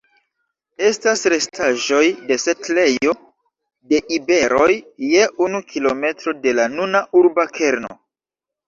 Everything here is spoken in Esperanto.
Estas restaĵoj de setlejo de iberoj je unu kilometro de la nuna urba kerno.